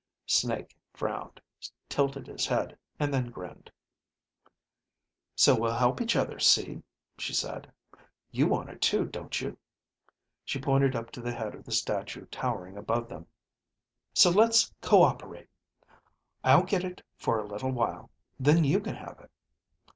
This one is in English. Snake frowned, tilted his head, and then grinned. "So we'll help each other see," she said. "You want it too, don't you." She pointed up to the head of the statue towering above them. "So let's co operate. I'll get it for a little while. Then you can have it."